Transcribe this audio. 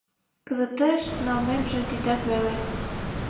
Кызытеш налмемже тидак веле...